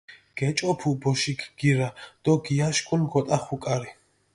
გეჭოფუ ბოშიქ გირა დო გიაშქუნი, გოტახუ კარი.